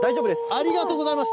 ありがとうございます。